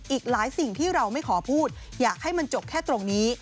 อีกหลายสิ่งที่เราไม่ขอพูดอยากให้มันจบแค่ตรงนี้